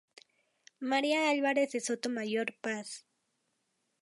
María Álvarez de Sotomayor Paz